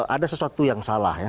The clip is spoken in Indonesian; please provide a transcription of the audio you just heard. ada sesuatu yang salah